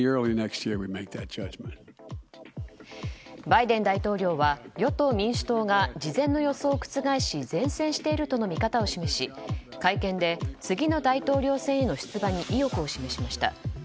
バイデン大統領は与党・民主党が事前の予想を覆し善戦しているとの見方を示し会見で次の大統領選への出馬に意欲を示しました。